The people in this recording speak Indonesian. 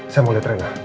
saya mau lihat rena